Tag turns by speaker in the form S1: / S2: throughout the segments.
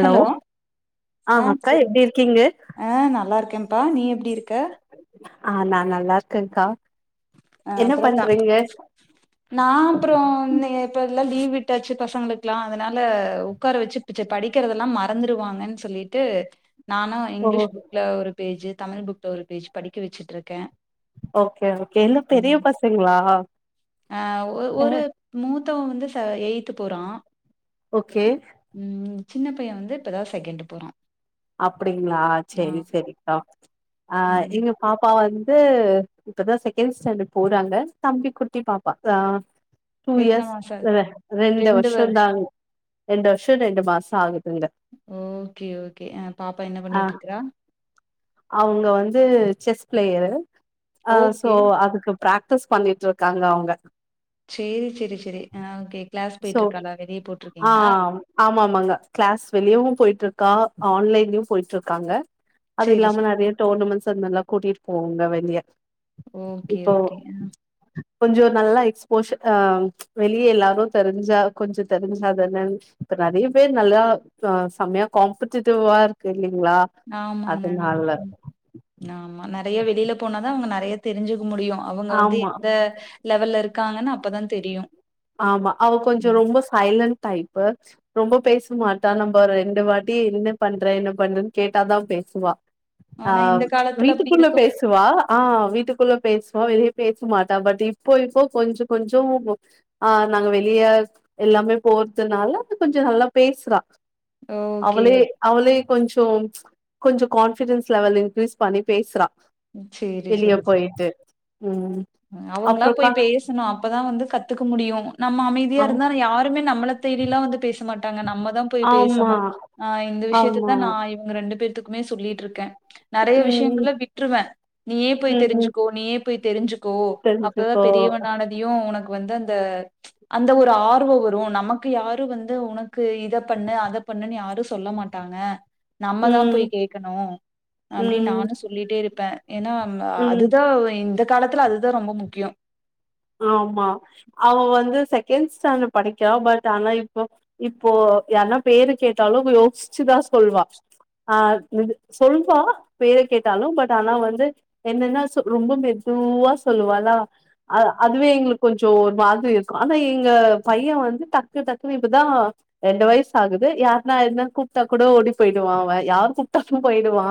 S1: Hello ஆ
S2: அக்கா
S1: சொல்லு
S2: எப்டி இருக்கீங்க
S1: ஆ நல்லாருக்கேன்ப்பா நீ எப்படி இருக்க
S2: ஆ நா நல்லா இருக்க கா
S1: அ அப்புறோ தா நா அப்புறோ இந்தயே இப்பெல்லா லீவ் விட்டாச்சு பசங்களுக்குக்கெல்லா அதனால உக்கார வச்சு செரி படிக்கிறதெல்லா மறந்துருவாங்கன்னு சொல்லி ட்டு நானு
S2: ஓ
S1: இங்கிலீஷ் புக்ல ஒரு பேஜ் தமிழ் புக்ல ஒரு பேஜ் படிக்க வச்சிட்டு இருக்கே
S2: ஓகே ஓகே எல்லா பெரிய
S1: ம்
S2: பசங்களா
S1: ஆ ஒ
S2: ஆ
S1: ஒரு மூத்தவ வந்து ச எயித்து போறா
S2: ஓகே
S1: ம் சின்ன பைய வந்து இப்பதா செகண்ட் போறா
S2: அப்புடிங்களா
S1: ஆ
S2: செரி செரிக்கா அ
S1: ம்
S2: எங்க பாப்பா வந்து இப்பதா செகண்ட் ஸ்டேண்டர்ட் போறாங்க தம்பி குட்டி பாப்பா அ டூ
S1: எத்தன
S2: இயர்ஸ்
S1: மாச
S2: ரெ ரெண்டு வருஷம் தாங் ரெண்டு வருஷோ ரெண்டு மாசோ ஆகுதுங்க
S1: ஓகே ஓகே பாப்பா என்ன பண்ணிட்டு இருக்குறா
S2: அவுங்க வந்து செஸ் பிளேயரு அ சோ
S1: ஓகே
S2: அதுக்கு பிராக்டிஸ் பண்ணிட்டு இருக்காங்க அவுங்க
S1: சேரி சேரி செரி ஆ ஓகே கிளாஸ் போயிட்டு இருக்காளா வெளியே போட்டிருக்கீங்களா
S2: ஆமா ஆமாங்க கிளாஸ் வெளியவு போயிட்டு இருக்கா ஆன்லைன்லயு போயிட்டு இருக்காங்க அது
S1: சேரி,
S2: இல்லாம
S1: சேரி.
S2: நெறைய டோர்னமெண்ட்ஸ் அதுமாரிலா கூட்டிட்டு போவோங்க வெளிய
S1: ஓகே,
S2: இப்போ
S1: ஓகே.
S2: கொஞ்சோ நல்லா எக்ஸ்போஷஸ் ஆ வெளியே எல்லாரு தெரிஞ்சா கொஞ்ச தெரிஞ்சாதானே இப்ப நெறைய பேர் நல்லா ஆ செமையா காம்பிடிட்டிவா இருக்கு இல்லீங்களா
S1: ஆமாங்க ஆமா ம் ஆமா நெறைய வெளில போனாதா அவ்ங்க நெறைய தெரிஞ்சுக்க முடியு அவங்க வந்து
S2: ஆமா
S1: எந்த லெவல்ல இருக்காங்கன்னா அப்
S2: ஆமா அவ கொஞ்ச
S1: ம்.
S2: ரொம்ப சைலன்ட் டைப்பு ரொம்ப பேசமாட்டா நம்ம ரெண்டு வாட்டி என்ன பண்றே என்ன பண்றேன்னு கேட்டாதா பேசுவா ஆ
S1: ஆனா இந்த காலத்துல அப்படி
S2: வீட்டுக்குள்ள
S1: இருக்கும்
S2: பேச சுவா ஆ வீட்டுக்குள்ள பேசுவா வெளியே பேசமாட்டா பட் இப்போ இப்போ கொஞ்சோ கொஞ்சோ துகும் ஆ நாங்க வெளிய எல்லாமே போறதுனால அ கொஞ்ச நல்லா பேசுரா
S1: ஓகே,
S2: அவளே
S1: ஓகே.
S2: அவளே கொஞ்சோ கொஞ்ச கான்பிடென்ஸ் லெவல் இன்க்ரீஸ் பண்ணி பேசுரா
S1: சேரி,
S2: வெளியூர் போயிட்டு ம்
S1: அவுங்களா போய்
S2: அப்றோக்கா
S1: பேசணு அப்பதா வந்து கத்துக்க முடியு நம்ம
S2: ஆ
S1: அமைதியா இருந்தா யாருமே நம்மள தேடியெல்லா வந்து பேசமாட்டாங்க நம்மதா போய்
S2: ஆமா
S1: பேசணு ஆ இந்த
S2: ஆமா
S1: விஷயத்ததா நா இவுங்க ரெண்டு பேத்தக்குமே சொல்லிட்டு இருக்கே நெறைய விஷயங்க
S2: ம்
S1: எல்லா விட்டுருவே நீயே போய்
S2: ம் ம்
S1: தெரிஞ்சுக்கோ நீயே போய் தெரிஞ்சுக் கோ அப்பதா
S2: தெரிஞ்சுக்கோ
S1: பெரியவனானதையு உனக்கு வந்து அந்த அந்த ஒரு ஆர்வம் வரும் நமக்கு யாரும் வந்து உனக்கு இத பண்ணு அத பண்ணுன்னு யாரு சொல்ல மாட் மாட்டாங்க நம்மதா
S2: ம்
S1: போய் கேக்கணு அப்புடின்னு
S2: ம்
S1: நானு சொல்லிட்டே இருப்பே ஏன்னா
S2: ம்
S1: அதுதா இந்த காலத்துல அதுதா ரொம்ப முக்கியோ
S2: ஆமா அவ வந்து செகண்ட் ஸ்டாண்டர்ட் படிக்கிறா பட் ஆனா இப்போ இப்போ யார்ன்னா பேரு கேட்டாலோ யோசிச்சுதா சொல்லுவா அ [unintelligible] சொல்வா பேரக் கேட்டாலு பட் ஆனா வந்து என்னன்னா சொ ரொம்ப மெதுவா சொல்வாளா அ அதுவே எங்களுக்கு கொஞ்சோ ஒரு மாதிரி இருக்கோ ஆனா எங்க பைய வந்து டக்கு டக்குன்னு இப்பதா ரெண்டு வயசு ஆகுது யார்ன்னா எதனா கூப்ட்டா கூட ஓடி போயிடுவா அவ யார் கூப்ட்டாலு போயிடுவா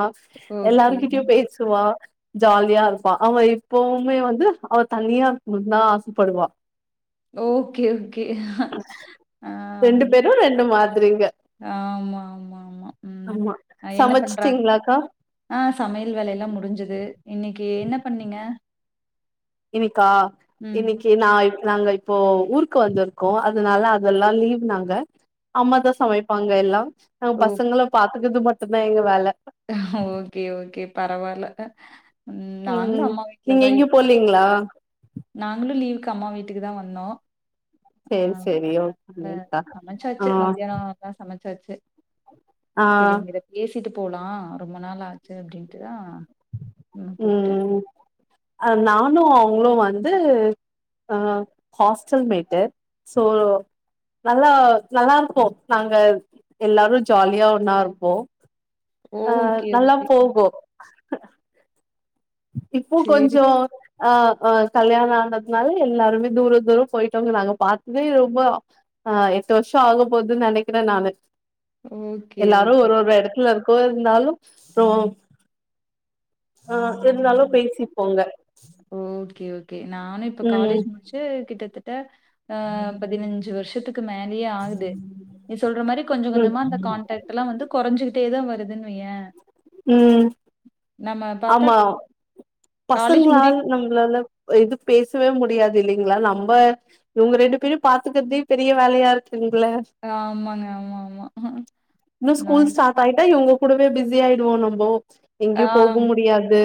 S1: ஓகே.
S2: எல்லார்க்கிட்டயு பேசுவா ஜாலியா இருப்பா அவ இப்பவுமே வந்து அவ தனியா இருக்கனுந்தா ஆசப்படுவா
S1: ஓகே ஓகே ஆ,
S2: ரெண்டு பேரு ரெண்டு மாதிரிங்க
S1: ஆமா, ஆமா, ஆமா. ம்.
S2: ஆமா
S1: என்ன பண்றாங்க?
S2: சமச்சிட்டீங்ளாக்கா
S1: அ சமையல் வேலயெல்லா முடிஞ்சது இன்னைக்கு என்ன பண்ணீங்க
S2: இன்னிக்கா
S1: ம்.
S2: இன்னிக் கே நா நாங்க இப்போ ஊருக்கு வந்திருக்கோ அதனால அதெல்லா லீவ் நாங்க அம்மா தா சமைப்பாங்க எல்லா நாங்க
S1: ஓ
S2: பசங்கள பாத்துக்ரது மட்டுந்தா எங்க வேல
S1: ஓகே ஓகே பரவால
S2: ம் நீங்க எங்கயு போலீங்ளா
S1: நாங்ளு லீவுக்கு அம்மா வீட்டுக்கு தா வந்தோ அ
S2: சேரி சேரி
S1: அதனால
S2: ஓகேக்கா ஆ
S1: சமச்சாச்சு மதியானோ எல்லா சமச்சாச்சு
S2: ஆ
S1: சரி உங்க கி பேசிட்டு போலா ரொம்ப நாள் ஆச்சு அப்டின்ட்டு தா
S2: ம் அ நானு அவங்ளு வந்து அ ஹாஸ்டல்மேட்டு ஸோ நல்லா நல்லா இருப்போ நாங்க எல்லாரு ஜாலியா ஒண்ணா இருப்போ அஹ்
S1: ஓகே,
S2: நல்லா
S1: ஓகே.
S2: போகு இப்போ
S1: சரி.
S2: கொஞ்சோ அ அ கல்யாணோ ஆனதுனால எல்லாருமே தூரோ தூரோ போய்ட்டோங்க நாங்க பாத்ததே ரொம்போ அ எட்டு வருஷோ ஆகப் போதுன்னு நெனைக்கிறே நானு
S1: ஓகே,
S2: எல்லாரு
S1: ஓகே.
S2: ஒரு ஒரு எடத் க்குல இருக்கோ இருந்தாலு ஸோ அ இருந்தாலு பேசிப்போங்க
S1: ஓகே ஓகே நானு இப்ப
S2: ம்
S1: காலேஜ் முடிச்சு கிட்டத்தட்ட அ பதினஞ்சு வருஷத்துக்கு மேலயே ஆகுது நீ சொல்ற மாரி கொஞ்ச
S2: ம்
S1: கொஞ்சமா அந்த கான்டக்ட் ட்டல்லா வந்து கொறஞ்சிட்டே தா வருதுன்னு வைய்யே
S2: ம்
S1: பாத்தா
S2: ஆமா
S1: காலேஜ் முடி
S2: பசங்ளால் நம்ளால இது பேசவே முடியாது இல்லைங்ளா நம்ப இவுங்க ரெண்டு பேரையு பாத்துக்ரதே பெரிய வேலையா இருக்குங்ள
S1: ஆமாங்க ஆமா ஆமா நா
S2: ஆய்ட்டா இவங்க கூடவே பிசி ஆயிடுவோ நம்போ
S1: ஆ
S2: எங்கயோ போ போ முடியாது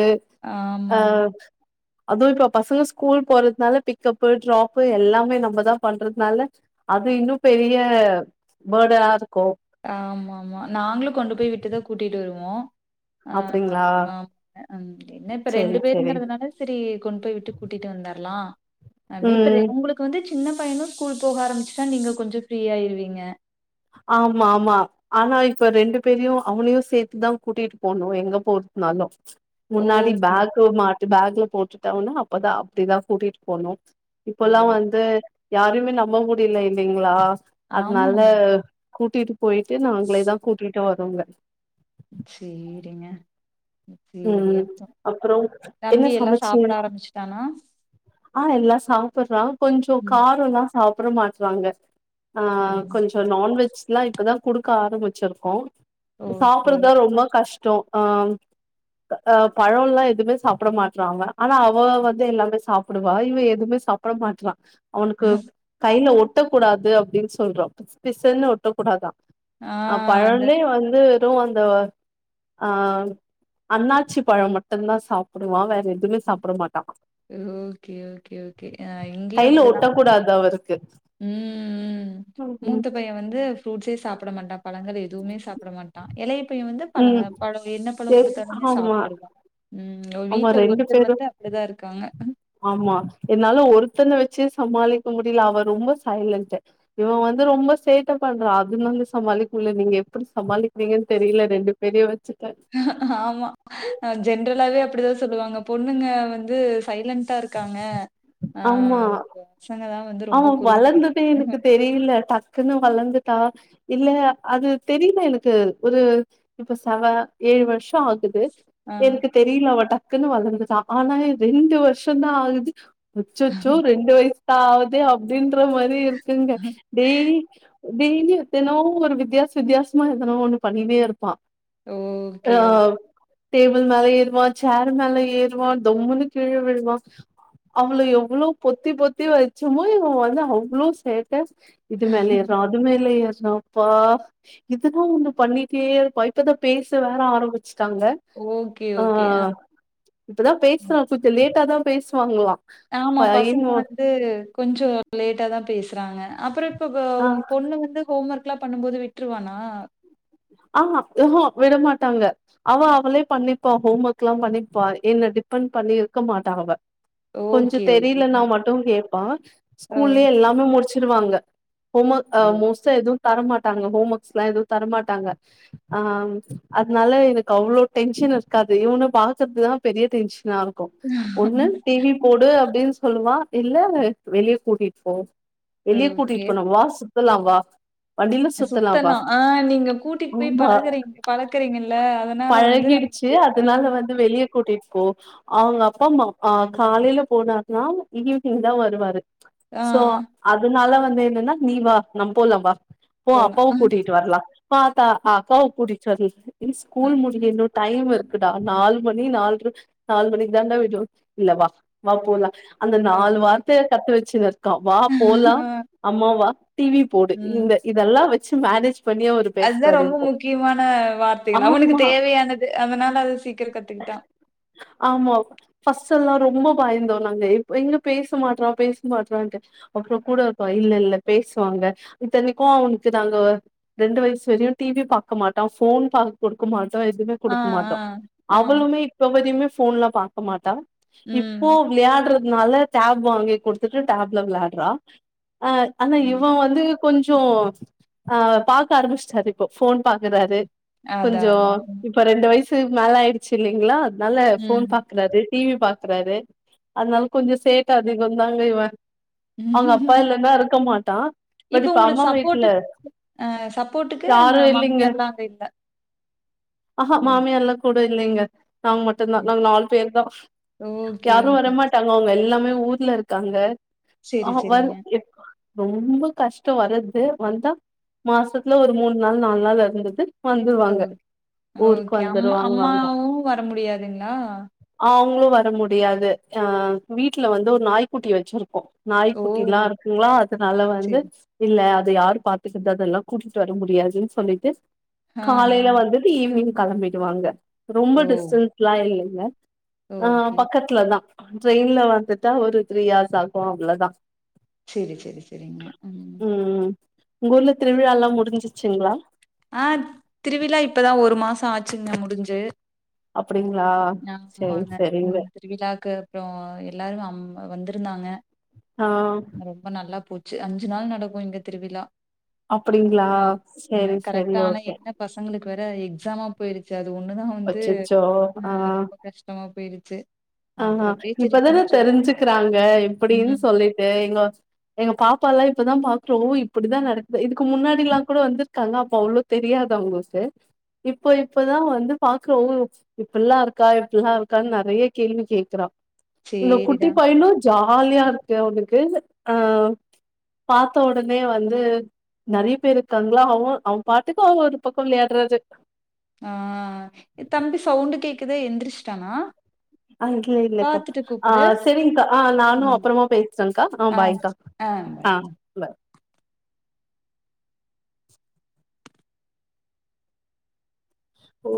S2: அ
S1: ஆமாங்க
S2: அதுவு இப்ப பசங்க ஸ்கூல் போறதுனால பிக்கப்பு ட்ராப்பு எல்லாமே நம்மதா பண்றதுனால அது இன்னு பெரிய பர்டனா இருக்கு
S1: ஆமா ஆமா நாங்களு கொண்டு போய் விட்டுதா கூட்டிட்டு வருவோ அ
S2: அப்டிங்களா
S1: அ என்ன இப்ப
S2: செரி
S1: ரெண்டு
S2: செரி
S1: பேருங்கிறதுனால சரி கொண்டு போய் விட்டு கூட்டிட்டு வந்துரலா அப்டி இப்ப
S2: ம்
S1: உங்களுக் க்கு வந்து சின்ன பையனு ஸ்கூல் போக ஆரம்பிச்சுட்டா நீங்க கொஞ்சோ ஃப்ரீ ஆயிருவீங்க
S2: ஆமா ஆமா ஆனா இப்ப ரெண்டு பேரையு அவளையு சேத்துதா கூட்டிட்டு போனு எங்க போறதுனாலு முன்னாடி
S1: ஓகே
S2: பேக்கு மாட்டு பேக்ல போட்டுட்டாலு அப்பதா அப்படிதா கூட்டிட்டு போணு
S1: ஓ
S2: இப்பல்லா வந்து யாரையுமே நம்ப முடியல இல்லைங்ளா அதனால
S1: ஆமாமா
S2: கூட்டிட்டு போய்ட்டு நாங்களே தா கூட்டிட்டு வரோங்க
S1: சேரிங்க சேரி
S2: ம்
S1: அப்
S2: அப்புறோ என்ன
S1: தம்பி எல்லா சாப்பிட
S2: சமச்சீங்க
S1: ஆரம்பிச்சுட்டானா
S2: ஆ எல்லா சாப்ட்டுறா கொஞ்சோ
S1: ம்
S2: காரம் தான் சாப்ட மாட்டராங்க ஆ
S1: ம்
S2: கொஞ்சம் நான்வெஜ் எல்லா இப்ப தான் குடுக்க ஆரம்பிச்சிருக்கோ
S1: ஓகே
S2: சாப்றது தான் ரொம்ப கஷ்டம் ஆ ஆ பழம் எல்லாம் எதுமே சாப்பிட மாட்டறாங்க ஆனா அவ வந்து எல்லாமே சாப்டுவா இவன் எதுவுமே சாப் அப்பளம் மாத்துவா அவனுக்கு கையில ஒட்டக்க கூடாது அப்டின்னு சொல்றோன் பிச் பிச்ன்னு ஒட்டக்கூடாதா ஆ
S1: அந்த
S2: பழம்லே வந்து து வந்து அண்ணாச்சி பழம் மட்டும் தான் சாப்டுவான் வேற எதுமே சாப்ட மாட்டா
S1: ஓகே ஓகே ஓகே ஆ இங்கேயும்
S2: கையிலா
S1: அப்படிதா
S2: ஒட்ட கூடாது அவருக்கு
S1: ம் ம் மூத்த பையன் வந்து ஃப்ரூட்ஸே சாப்ட மாட்டான் பழங்கள் எதுவுமே சாப்ட மாட் இலைய பையன் வந்து பழங்க
S2: ம்.
S1: பழம் என்ன பழம்
S2: எ-
S1: கொடுத்தாலுமே
S2: ஆமா
S1: சாப்ட்டுருவோன் ம் ஒர்
S2: ஆமா
S1: வீட்ல
S2: ரெண்டு
S1: ஒருத்தர்
S2: பேரும்
S1: வந்து அப்டி தான் இருக்காங்க
S2: ஆமா என்னால ஒருத்தன வெச்சு சமாளிக்க முடியல அவ ரொம்ப சைலன்ட இவன் வந்து ரொம்ப சேட்ட பண்றான் அதுனால சமாளிக்குலே நீங்க எப்டி சமாளிக்கிறீங்கன்னு தெரில ரெண்டு பெரிய வெச்சுக்க
S1: ஆமா அ ஜென்ரலாவே அப்டிதான் சொல்லுவாங்க பொண்ணுங்க வந்து சைலன்டா இருக்காங்க ஆ பசங்க தான்
S2: ஆவ வளந்ததே எனக்கு தெரியல டக்குன்னு வளந்துட்டா இல்ல அது தெரியல எனக்கு ஒரு இப்ப சவ ஏழு வருஷம் ஆகுது
S1: ஆ
S2: எனக்கு தெரியல அவ டக்குன்னு வளந்துட ஆனா ரெண்டு வருஷம் தான் ஆகுது உச்சச்சோ ரெண்டு வயசு தான் ஆகுது அப்டின்ற மாரி இருக்குங்க டேய்லி டெய்லி எத்தனோ ஒரு வித்தியாச வித்தாசமா எதனோ ஒண்ணு பண்ணிட்டே இருப்பான் ஆ
S1: ஓகே
S2: டேபிள் மேல ஏறுவான் சேர் மேல ஏறுவான் தம்முனு கீழே விழுவான் அவள எவ்வளவு பொத்தி பொத்தி வ சும்மா இவ வந்து அவ்ளோ சேட்டஸ் இது மேல ஏறோம் அது மேல ஏறோம்ப்பா இதுவும் ஒண்ணு பண்ணிட்டே இருப்ப இப்பதான் பேச வேற ஆரம்பிச்சுட்டாங்க
S1: ஓகே ஓகே ஆ
S2: இப்பதான் பேசுறா கொஞ்ச லேட்டா தான் பேசுவாங்களா
S1: ஆமா பசங்க
S2: பையனு
S1: வந்து கொஞ்சோ லேட்டா தான் பேசுறாங்க அப்றே இப்ப
S2: ஆ
S1: ஓ பொண்ணு வந்து ஹோம் ஒர்க்ல்லா பண்ணும் போது விட்டுருவானா
S2: ஆ ஹ விடமாட்டாங்க அவ அவளே பண்ணிப்பா ஹோம் ஒர்க்ல்லா பண்ணிப்ப என்ன டிபெண்ட் பண்ணி இருக்க மாட்ட அவ கொஞ்ச
S1: ஓகே, ஓகே.
S2: தெரியல நா மட்டும் கேப்பா
S1: ஓ!
S2: ஸ்கூல்லயே எல்லாமே முடிச்சிருவாங்க ஹோம் ஒர்க்
S1: ஓ!
S2: மோஸ்ட்டா எதுவும் தரமாட்டாங்க ஹோம் ஒர்க்ஸ் எல்லா எதுவும் தரமாட்டாங்க ஆ அதனால எனக்கு அவ்ளோ டென்ஷன் இருக்காது இவன பாக்குறதுதான் பெரிய டென்ஷனா ஆகும் ஒண்ணு டிவி போடு அப்டின்னு சொல்லுவா இல்ல வெளியே கூட்டிட்டு போ வெளியே
S1: ஓகே.
S2: கூட்டிட்டு போன வாச் சொல்லா வா வண்டில சுத்தலா
S1: சுத்த
S2: வா
S1: நா ஆ நீங்க கூட்டிட் போய்
S2: ஆமா
S1: பழகறி பழக்கறிங்கல்ல அதனால வந்து அவளுக்கு அ
S2: ந்து வெளிய கூட்டிட்டு போ அவங்க அப்பா அம்மா அ காலைல போனாருன்னா ஈவினிங் தா வருவாரு
S1: ஆ
S2: சோ அதனால வந்து என்னன்னா நீ வா நம் போல வா ஓ
S1: போலாம்.
S2: அப்பாவு
S1: ஆ,
S2: கூட்டிட்டு வரலா பாத்தா அக்காவு கூட்டிட்டு வர் இன் ஸ்கூல் முடின்னு டைம் இரு க்குடா நாலு மணி நால்ர நாலு மணிக்கு தாண்டா வீட்ட விட்டு இல்ல வா வா போலாம் அந்த
S1: ஆ,
S2: நாலு வார்த்தைய கத்து வச்சின்னு இருக்கான் வா போலா
S1: ஆ.
S2: அம்மா வா டிவி போடு
S1: ம்.
S2: இந்த இதெல்லா வெச்சு மேனேஜ் பண்ணியா ஒரு
S1: அதுதா ரொம்ப முக்கியமான வார்த்தைகள் அவனுக்கு
S2: ஆமா
S1: தேவையானது அதனால அது சீக்கிர கத்துக்கிட்டா
S2: ஆமா ஃபர்ஸ்ட் எல்லா ரொம்ப பயந்தோ நாங்க இப் இங்க பேச மாட்றா பேச மாட்றான்ட்டு அப்றோ கூட இருக்கோ இல்ல இல்ல பேசுவாங்க இத்தனைக்கு அவனுக்கு நாங்க ரெண்டு வய்சு தெரியு டி வி பாக்க மாட்டா ஃபோன் பாக் குடுக்க மாட்டோ எதுவுமே
S1: ஆ,
S2: குடுக்க
S1: ஆ,
S2: மாட்டோ
S1: ஆ.
S2: அவளுமே இப் வதியுமே ஃபோன்ல பாக்க மாட்டா
S1: ம்.
S2: இப்போ விளயாட்றதுனால டேப் வாங்கி குடுத்துட்டு டேப்ல விளாட்றா ஆனா இவ
S1: ம்.
S2: வந்து கொஞ்சோ ஆ பாக்க ஆரம்பிச்சிட்டாரு இப்போ ஃபோன் பாக்குறாரு
S1: அதான்,
S2: கொஞ்சோ
S1: அதான்.
S2: இப்ப ரெண்டு வயசு மேல ஆயிடுச்சு இல்லிங்ளா அதனால
S1: ம்.
S2: போன் பாக் க்குறாரு டீவி பாக்குறாரு அதனால கொஞ்சோ சேட்டா அதிகம்ந்தாங்க இவ அவுங்க அப்பா இல்ல இருக்க மாட்டா பட் இப்ப
S1: உங்களுக்கு
S2: அம்மா
S1: சப்போர்ட்டு
S2: வீட்ல
S1: அ சப்போர்டுக்கு
S2: யாரு
S1: அங்க மாமியார்ல்லா அங்க இல்ல
S2: அஹா
S1: ஓ!
S2: மாமியார்லா கூட இல்லைங்க நாங்க மட்டுந்தா
S1: சரி.
S2: நாங்க நாலு பேர்தா
S1: ஓகே,
S2: யாரு
S1: ஓகே.
S2: வரமாட் தங்கங்க எல்லாமே ஊர்ல இருக்காங்க
S1: சரி,
S2: அவ வரு
S1: சரிங்க.
S2: எ ரொம்ப கஷ்டோ வர்ரது வந்தா மாசத்துல ஒரு மூண் நாள் நால் நாள் இருந்துது வந்துருவாங்க
S1: ஓகே,
S2: ஊருக்கு
S1: ஓகே. அம்மா
S2: வந்துருவாங்கங்க
S1: அம்மாவும் வர முடியாதுங்களா?
S2: அவங்ளு வர முடியாது அ வீட்ல வந்து ஒரு நாய்க்குட்டி வச்சிருக்கோ
S1: ஓ!
S2: நாய்க்குட்டில்லா இருக்குங்ளா அதனால வந்து
S1: சரி.
S2: இல்ல அத யாரு பாத்துக்கது அதெல்லா கூட்டிட்டு வர முடியாதுன் சொல்லிட்டு
S1: ஆ, ஆ.
S2: காலையில வந்துட்டு ஈவ்னிங் கெளம்பிடுவாங்க ரொம்ப
S1: ஓ!
S2: டிஸ்டன்ல்லா இல்லைங்க ஆ
S1: ஓகே.
S2: பக்கத்துலதா ட்ரெயின்ல வந்துட்டா ஒரு த்ரீ ஹார்ஸ் ஆகு அவ்வளோதா
S1: செரி செரி செரிங்க ம்
S2: உங்கஊர்ல திருவிழால்லா முடிஞ்சிச்சுங்ளா
S1: ஆ திருவிழா இப்பதா ஒரு மாசோ ஆச்சுங்க முடுஞ்சு
S2: அப்டிங்களா செரி செரிங்க
S1: ம் திருவிழாக்கு அப்றோ எல்லாரும் அம் வந்திருந்தாங்க
S2: ஆம்
S1: ரொம்ப நல்லா போச்சு அஞ்சு நாள் நடக்கு இந்த திருவிழா
S2: அப்டிங்களா
S1: ஆமாங்க
S2: செரி செரி
S1: கரெக்டா ஆனா
S2: ஓகே
S1: என்ன பசங்களுக்கு வேற எக்ஸாம போயிருச்சு அது ஒண்ணுதா வந்து
S2: அச்சச்சோ
S1: ஆ ரொம்ப கஷ்டமா போயிடுச்சு
S2: ஆஹ்ஹா இப்பதானே தெரிஞ்சுக்கிறாங்க எப்டின்னு
S1: ம்
S2: சொல்லிட்டு எங்க எங்க பாப்பால்லா இப்பதா பாக்குறா ஓ இப்டிதா நடக்குது இதுக்கு முன்னாடி எல்லா கூட வந்திருக்காங்க அப்ப அவ்ளோ தெரியாதவங்களுக்கு இப்போ இப்பதா வந்து பாக்கவு இப்பல்லா இருக்கா இப்பல்லாம் இருக்கான்னு நெறைய கேள்வி கேக்குறா இந்த குட்டி
S1: சேரிடா
S2: பையனு ஜாலியா இருக்கு அவனுக்கு அ பாத்த ஒடனே வந்து நெறைய பேர் இருக்காங்களா அவன் அவன் பாட்டுக்கு அவன் ஒரு பக்கம் விளையடுரது
S1: ஆ தம்பி சவுண்டு கேட்குது எந்திரிச்சுட்டானா
S2: ஆங்கியுல்லக்கா
S1: பாத்துட்டு
S2: ஆ
S1: கூப்பிடு
S2: சேரிங்க்கா ஆ நானு அப்புறமா பேசுறேன்கா ஆ பாய்க்கா
S1: ஆ பாய் ம்
S2: ஓ